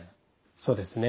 そうですね。